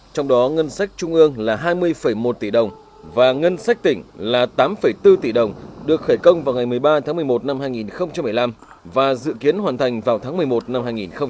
trong đó ngân sách trung ương là hai mươi một tỷ đồng và ngân sách tỉnh là tám bốn tỷ đồng được khởi công vào ngày một mươi ba tháng một mươi một năm hai nghìn một mươi năm và dự kiến hoàn thành vào tháng một mươi một năm hai nghìn hai mươi